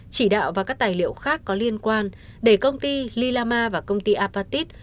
chỉ đạo và các tài liệu khác có liên quan để công ty lilama và công ty apatit